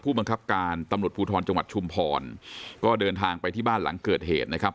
บังคับการตำรวจภูทรจังหวัดชุมพรก็เดินทางไปที่บ้านหลังเกิดเหตุนะครับ